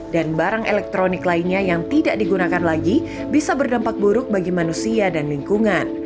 dan barang elektronik lainnya yang tidak digunakan lagi bisa berdampak buruk bagi manusia dan lingkungan